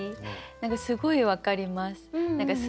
何かすごい分かります。